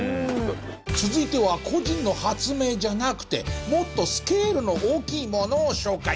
続いては個人の発明じゃなくてもっとスケールの大きいものを紹介。